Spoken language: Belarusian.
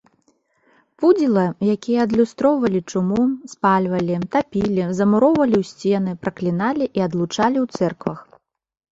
Пудзіла, якія адлюстроўвалі чуму, спальвалі, тапілі, замуроўвалі ў сцены, пракліналі і адлучалі ў цэрквах.